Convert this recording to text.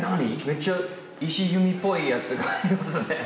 めっちゃ石組みっぽいやつがありますね。